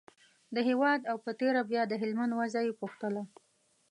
د هېواد او په تېره بیا د هلمند وضعه یې پوښتله.